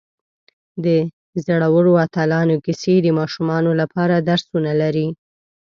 د زړورو اتلانو کیسې د ماشومانو لپاره درسونه لري.